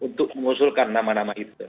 untuk mengusulkan nama nama itu